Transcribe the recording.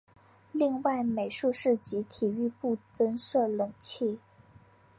另外美术室及体育部增设冷气。